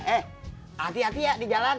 eh hati hati ya di jalan